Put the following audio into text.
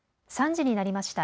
３時になりました。